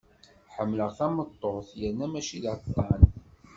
Ḥemmleɣ tameṭṭut yerna mačči d aṭṭan.